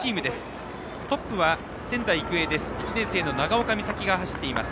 トップは仙台育英です。